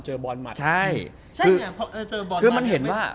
เจอบอลมัด